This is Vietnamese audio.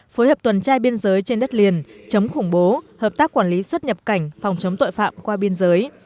phối hợp tuần trai biên giới trên đất liền chống khủng bố hợp tác quản lý xuất nhập cảnh phòng chống tội phạm qua biên giới